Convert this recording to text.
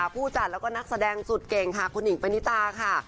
ผู้จัดและนักแสดงสุดเก่งคุณหญิงเป็นนิตอะ